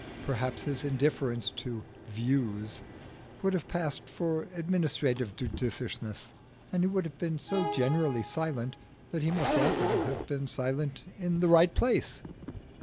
Perhaps his indifference to "views" would have passed for administrative judiciousness, and he would have been so generally silent that he must often have been silent in the right place.